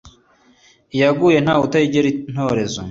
Iyaguye ntawe utayigera intorezo